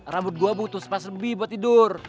rambut gua butuh sepas lebih buat tidur